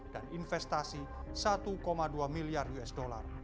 dan investasi satu dua miliar usd